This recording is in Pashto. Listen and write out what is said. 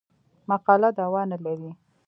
مقاله دعوا نه لري.